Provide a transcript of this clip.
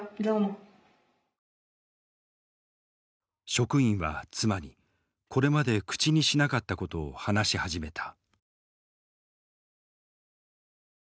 職員は妻にこれまで口にしなかったことを話し始めた。